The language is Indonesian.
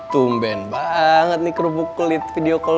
tumben banget nih kerubuk kulitnya